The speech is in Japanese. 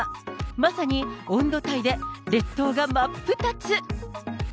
まさに温度帯で列島が真っ二つ。